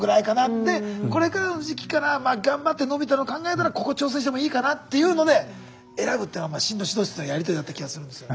でこれからの時期から頑張って伸びたの考えたらここを挑戦してもいいかなっていうので選ぶっていうのが進路指導室のやり取りだった気がするんですよね。